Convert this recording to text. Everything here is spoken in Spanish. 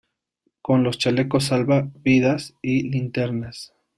con los chalecos salva -- vidas y linternas.